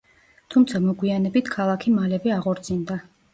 თუმცა მოგვიანებით ქალაქი მალევე აღორძინდა.